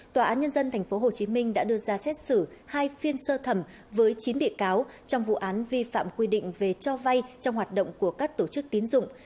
tòa án nhân dân tp hcm đã đưa ra xét xử hai phiên sơ thẩm với chín bị cáo trong vụ án vi phạm quy định về cho vay trong hoạt động của các tổ chức tín dụng